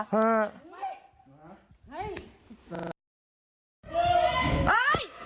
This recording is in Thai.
เฮ้ย